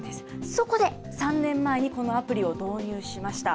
そこで３年前にこのアプリを導入しました。